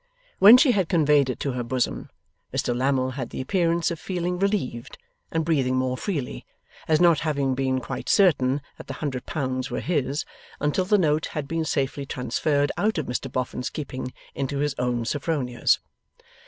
When she had conveyed it to her bosom, Mr Lammle had the appearance of feeling relieved, and breathing more freely, as not having been quite certain that the hundred pounds were his, until the note had been safely transferred out of Mr Boffin's keeping into his own Sophronia's.